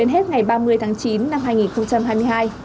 đến hết ngày ba mươi tháng chín năm hai nghìn hai mươi hai